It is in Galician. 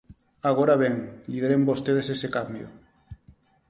Agora ben, lideren vostedes ese cambio.